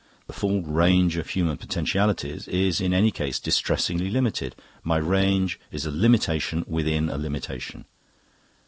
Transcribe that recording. The full range of human potentialities is in any case distressingly limited; my range is a limitation within a limitation.